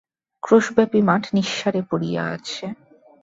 ক্রোশব্যাপী মাঠ নিঃসাড়ে পড়িয়া আছে!